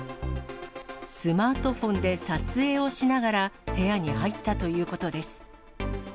スマートフォンで撮影をしながら部屋に入ったということです。